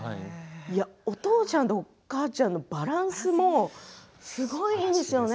お父ちゃんとお母ちゃんのバランスもすごくいいんですよね。